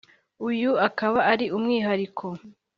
uyu ukaba ari umwihariko